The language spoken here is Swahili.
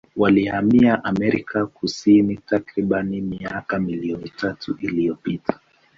Walihamia Amerika Kusini takribani miaka milioni tatu iliyopita.